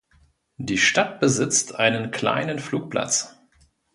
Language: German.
Die Stadt besitzt einen kleinen Flugplatz.